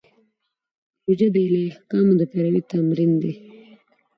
روژه د الهي احکامو د پیروي تمرین دی.